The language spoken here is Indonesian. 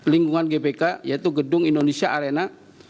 lingkungan gbk yaitu gedung indonesia arena